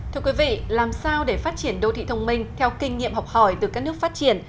thưa quý vị làm sao để phát triển đô thị thông minh theo kinh nghiệm học hỏi từ các nước phát triển